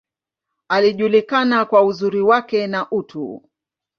Alijulikana kwa uzuri wake, na utu.